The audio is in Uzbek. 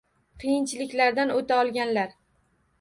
Qiyinchiliklardan o’ta olganlar